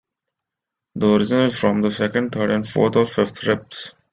The origin is from the second, third and fourth or fifth ribs.